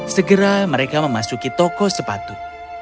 segera mereka memasuki toko sepatu